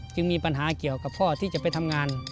มีปัญหาเกี่ยวกับพ่อที่จะไปทำงาน